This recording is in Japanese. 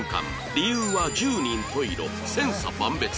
理由は十人十色千差万別